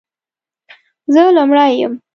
زه لومړۍ یم،